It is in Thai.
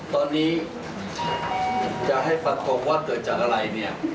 ตอนนี้จะให้ฟันธงเครื่องว่าเกิดจากอะไรเนี่ย